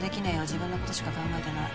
自分のことしか考えてない。